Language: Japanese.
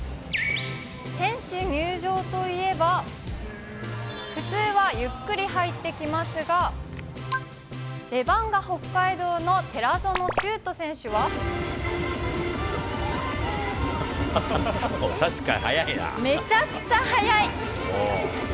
選手入場といえば、普通はゆっくり入ってきますが、レバンガ北海道の寺園脩斗選手は、めちゃくちゃ速い。